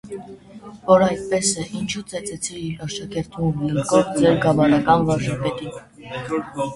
- Որ այդպես է, ինչո՞ւ ծեծեցիր իր աշակերտուհուն լլկող ձեր գավառական վարժապետին: